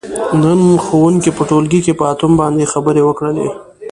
نن ښوونکي په ټولګي کې په اتوم باندې خبرې وکړلې.